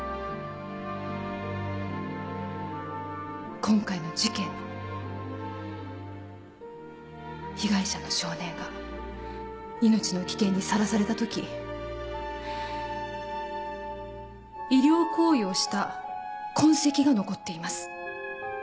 今回の事件の被害者の少年が命の危険にさらされたとき医療行為をした痕跡が残っています。